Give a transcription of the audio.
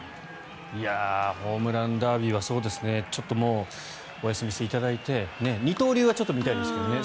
ホームランダービーはちょっともうお休みしていただいて二刀流はちょっとみたいですけどね。